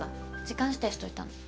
時間指定しといたの。